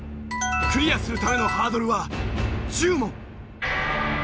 クリアするためのハードルは１０問！